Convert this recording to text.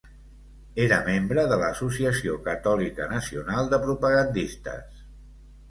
Era membre de l'Associació Catòlica Nacional de Propagandistes.